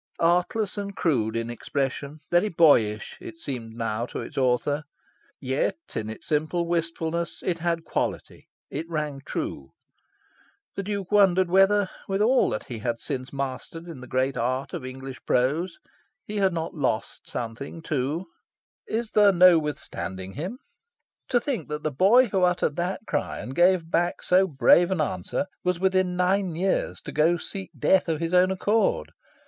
Artless and crude in expression, very boyish, it seemed now to its author. Yet, in its simple wistfulness, it had quality: it rang true. The Duke wondered whether, with all that he had since mastered in the great art of English prose, he had not lost something, too. "Is there no withstanding him?" To think that the boy who uttered that cry, and gave back so brave an answer, was within nine years to go seek death of his own accord!